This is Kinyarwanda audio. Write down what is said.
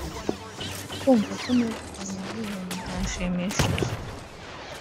kumva ko negukanye miliyoni byanshimishije